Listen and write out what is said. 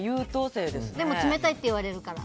でも冷たいって言われるから。